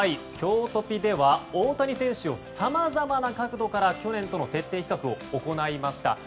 きょうトピでは大谷選手をさまざまな角度から去年との徹底比較を行いました。